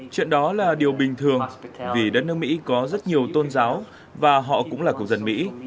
chuyện đó là điều bình thường vì đất nước mỹ có rất nhiều tôn giáo và họ cũng là cục dân mỹ